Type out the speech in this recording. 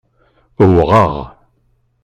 Uwɣeɣ.